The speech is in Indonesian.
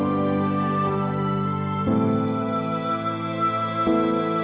kalau operasi kali ini berhasil